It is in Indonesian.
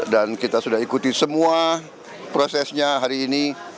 dan kita sudah ikuti semua prosesnya hari ini